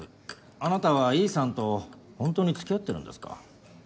あなたは維井さんとほんとにつきあってるんですか？